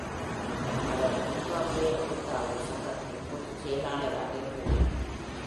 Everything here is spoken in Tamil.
அவர் ஜிம்பாப்வே எழுத்தாளர் சங்கத்தின் பொதுச் செயலாளராக இருந்துள்ளார்.